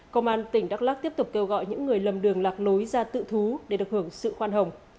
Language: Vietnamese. công an tỉnh đắk lắc tiếp tục kêu gọi những người lầm đường lạc lối ra tự thú để được hưởng sự khoan hồng